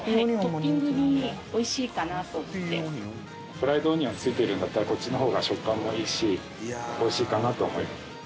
フライドオニオン付いてるんだったらこっちの方が食感がいいしおいしいかなと思います。